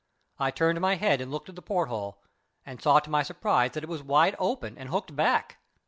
I turned my head and looked at the porthole, and saw to my surprise that it was wide open and hooked back.